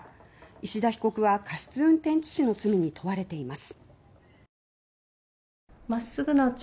石田被告は過失運転致死の罪に問われています。